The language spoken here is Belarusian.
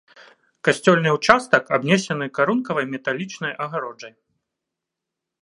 Касцёльны ўчастак абнесены карункавай металічнай агароджай.